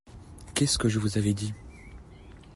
Qu’est-ce que je vous avais dit !